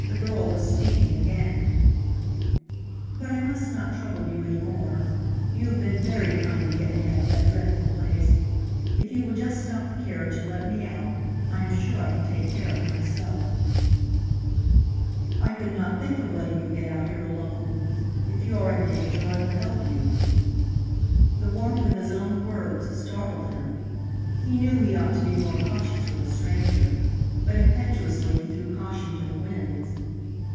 The girl was speaking again: "But I must not trouble you any more. You have been very kind to get me out of that dreadful place. If you will just stop the carriage and let me out, I am sure I can take care of myself." "I could not think of letting you get out here alone. If you are in danger, I will help you." The warmth of his own words startled him. He knew he ought to be more cautious with a stranger, but impetuously he threw caution to the winds.